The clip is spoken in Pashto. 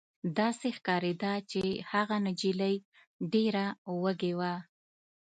داسې ښکارېده چې هغه نجلۍ ډېره وږې وه